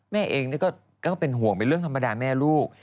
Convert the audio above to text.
แม่เองก็เป็นห่วงเป็นเรื่องธรรมดาแม่ลูก